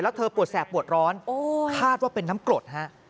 แล้วเธอปวดแสบปวดร้อนคาดว่าเป็นน้ำกรดฮะ